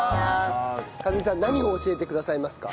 和美さん何を教えてくださいますか？